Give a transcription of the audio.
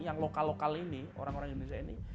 yang lokal lokal ini orang orang indonesia ini